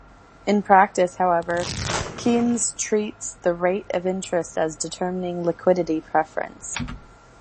In practice, however, Keynes treats the rate of interest as "determining" liquidity preference.